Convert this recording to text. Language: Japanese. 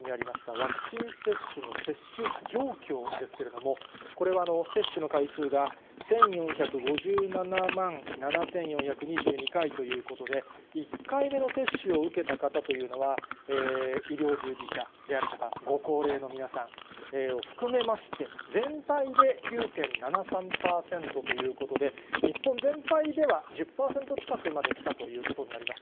ワクチン接種の接種状況ですけれども、これは接種の回数が１４５７万７４２２回ということで、１回目の接種を受けた方というのは、医療従事者であるとか、ご高齢の皆さんを含めまして、全体で９．７３％ということで、日本全体では１０％近くまできたということになります。